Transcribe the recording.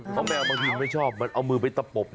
เพราะแมวบางทีไม่ชอบมันเอามือไปตะปบ